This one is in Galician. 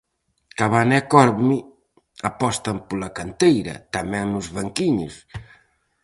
Cabana e Corme apostan pola canteira, tamén nos banquiños: